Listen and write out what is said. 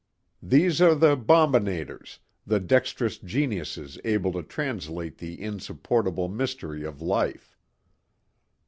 These are the bombinators, the dexterous geniuses able to translate the insupportable mystery of life.